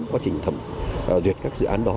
quá trình thẩm duyệt các dự án đó